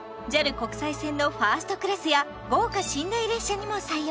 国際線のファーストクラスや豪華寝台列車にも採用